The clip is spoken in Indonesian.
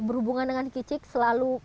berhubungan dengan kicix selalu